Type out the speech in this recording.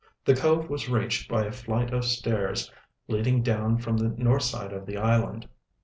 The cove was reached by a flight of stairs leading down from the north side of the island.